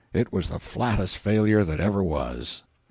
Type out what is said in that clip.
It was the flattest failure that ever was.